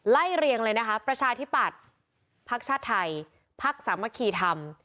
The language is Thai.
ไล่เรียงเลยนะคะประชาธิบัติภักดิ์ชาติไทยภักดิ์สามัคคีธรรม